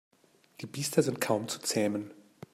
Die Biester sind kaum zu zähmen.